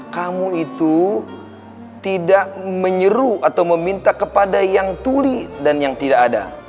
kamu itu tidak menyeru atau meminta kepada yang tuli dan yang tidak ada